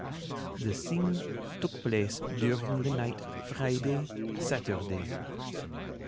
The thing took place during the night Friday—Saturday.